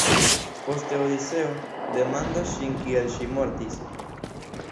Poste Odiseo demandas ŝin kiel ŝi mortis.